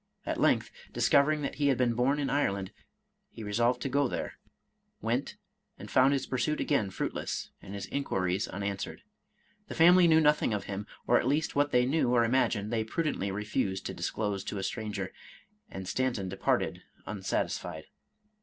At length, discovering that he had been bom in Ireland, he resolved to go there, — ^went, and found his pursuit again fruitless, and his inquiries unanswered. The family knew nothing of him, or at least what they knew or imagined, they prudently refused to disclose to a stranger, and Stan ton departed unsatisfied.